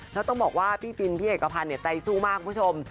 แล้วต้องบอกว่าพี่บินพี่เอกพันธ์ใจสู้มากคุณผู้ชม